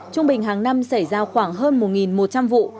trung bình hàng năm xảy ra khoảng hơn một một trăm linh vụ